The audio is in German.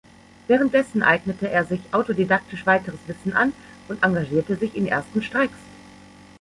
Währenddessen eignete er sich autodidaktisch weiteres Wissen an und engagierte sich in ersten Streiks.